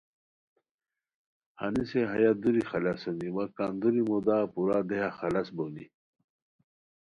ہنیسے ہیہ دُوری خلص ہونی وا کندوری مودا پورا دیہہ خلص بونی